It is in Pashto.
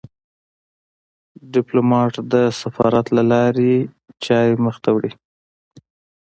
ډيپلومات د سفارت له لارې چارې مخ ته وړي.